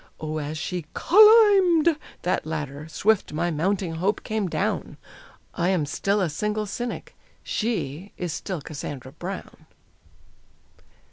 Oh, as she "cull imbed!" that ladder, swift my mounting hope came down. I am still a single cynic; she is still Cassandra Brown!